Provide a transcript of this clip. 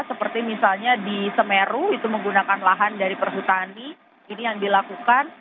seperti misalnya di semeru itu menggunakan lahan dari perhutani ini yang dilakukan